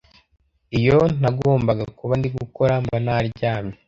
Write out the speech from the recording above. iyo ntagomba kuba ndi gukora mba naryamye?